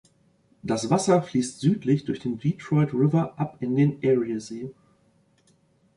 Das Wasser fließt südlich durch den Detroit River ab in den Eriesee.